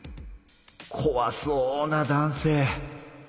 こわそうな男性。